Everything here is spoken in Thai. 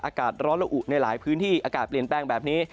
อากาศร้อนละอุในหลายพื้นที่อากาศเปลี่ยนแปลงแบบนี้